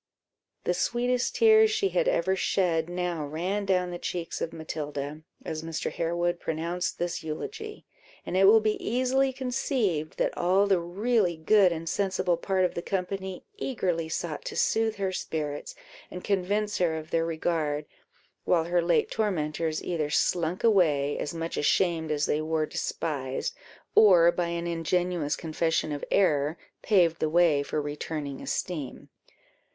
The sweetest tears she had ever shed now ran down the cheeks of Matilda, as Mr. Harewood pronounced this eulogy; and it will be easily conceived, that all the really good and sensible part of the company eagerly sought to soothe her spirits, and convince her of their regard, while her late tormentors either slunk away, as much ashamed as they were despised, or by an ingenuous confession of error, paved the way for returning esteem.